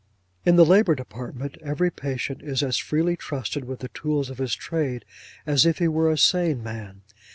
In the labour department, every patient is as freely trusted with the tools of his trade as if he were a sane man.